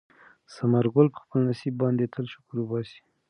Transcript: ثمر ګل په خپل نصیب باندې تل شکر وباسي.